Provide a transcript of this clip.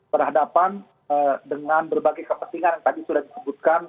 berhadapan dengan berbagai kepentingan yang tadi sudah disebutkan